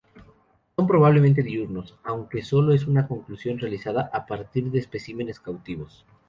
Son probablemente diurnos, aunque solo es una conclusión realizada a partir de especímenes cautivos.